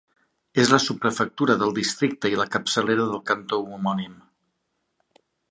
És la subprefectura del districte i la capçalera del cantó homònim.